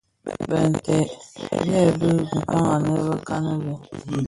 Bintèd nted byebi kpäg anë bekan lè.